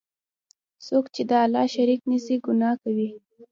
څوک چی د الله شریک نیسي، ګناه کوي.